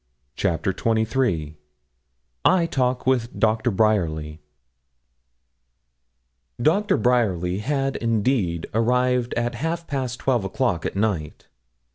CHAPTER XXIII I TALK WITH DOCTOR BRYERLY Doctor Bryerly had, indeed, arrived at half past twelve o'clock at night.